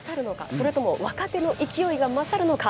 それとも若手の勢いがまさるのか。